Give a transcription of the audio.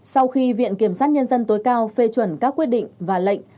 sau khi viện kiểm sát nhân dân tối cao phê chuẩn các quyết định và lệnh